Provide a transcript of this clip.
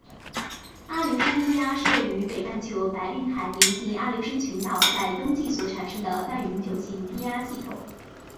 阿留申低压是位于北半球白令海邻近阿留申群岛在冬季所产生的半永久性低压系统。